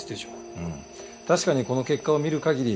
うん確かにこの結果を見る限り